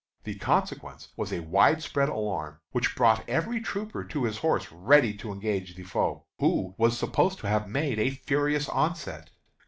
The consequence was a widespread alarm, which brought every trooper to his horse ready to engage the foe, who was supposed to have made a furious onset.